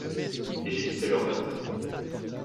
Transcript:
Et j’ai quitté leur verre